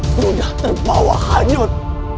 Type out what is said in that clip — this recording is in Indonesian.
sudah terbawa hanyut